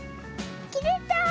きれた。